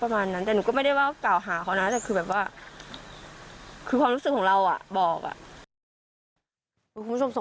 หนูไม่ทราบเหมือนกัน